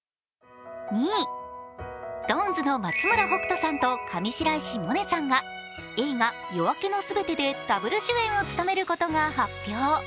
ＳｉｘＴＯＮＥＳの松村北斗さんと上白石萌音さんが映画「夜明けのすべて」でダブル主演を務めることが発表。